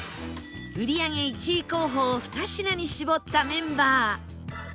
売り上げ１位候補を２品に絞ったメンバー